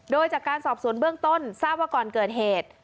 โดยจากการสอบสวนเบื้องต้นทราบว่าก่อนเกิดเหตุ